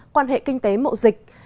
quan hệ kinh tế mậu dịch